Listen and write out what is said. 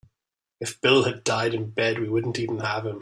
If Bill had died in bed we wouldn't even have him.